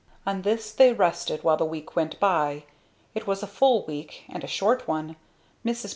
On this they rested, while the week went by. It was a full week, and a short one. Mrs.